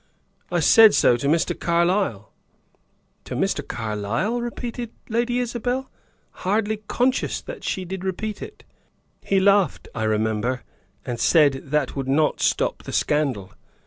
I said so to Mr. Carlyle." "To Mr. Carlyle?" repeated Lady Isabel, hardly conscious that she did repeat it. "He laughed, I remember, and said that would not stop the scandal.